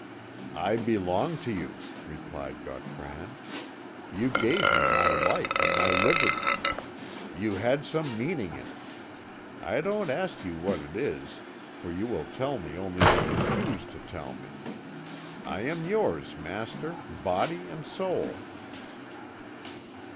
"I belong to you," replied Gautran. "You gave me my life and my liberty. You had some meaning in it. I don't ask you what it is, for you will tell me only what you choose to tell me. I am yours, master, body and soul."